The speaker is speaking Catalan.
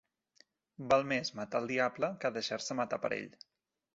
Val més matar el diable que deixar-se matar per ell.